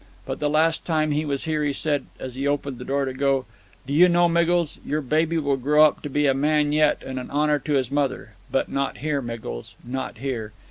But the last time he was here he said, as he opened the door to go, 'Do you know, Miggles, your baby will grow up to be a man yet and an honor to his mother; but not here, Miggles, not here!'